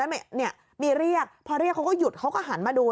เนี่ยมีเรียกพอเรียกเขาก็หยุดเขาก็หันมาดู